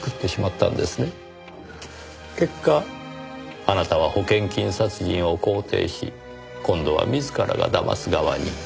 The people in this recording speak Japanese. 結果あなたは保険金殺人を肯定し今度は自らが騙す側に。